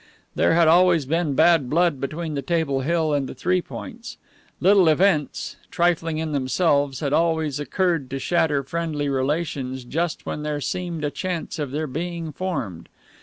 There had always been bad blood between the Table Hill and the Three Points. Little events, trifling in themselves, had always occurred to shatter friendly relations just when there seemed a chance of their being formed.